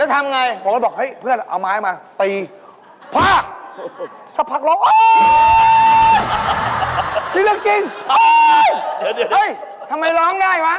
ทำไมหล้องได้วะ